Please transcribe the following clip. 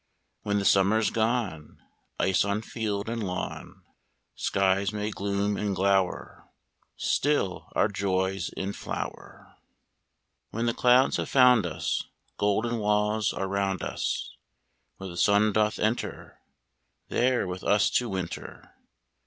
When the summer's gone, Ice on field and lawn. Skies may gloom and glower Still our joy's in flower. 40 OURS When the clouds have found us Golden walls are round us Where the sun doth enter There with us to winter.